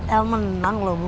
el menang loh bu